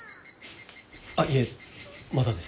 あっいえまだです。